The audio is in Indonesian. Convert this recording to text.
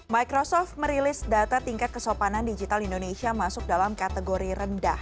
microsoft merilis data tingkat kesopanan digital indonesia masuk dalam kategori rendah